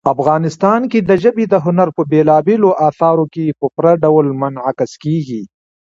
افغانستان کې ژبې د هنر په بېلابېلو اثارو کې په پوره ډول منعکس کېږي.